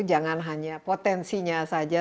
jangan hanya potensinya saja